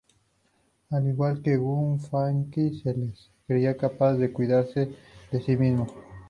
Al igual que Guy Fawkes, se le creía capaz de cuidarse de sí mismo.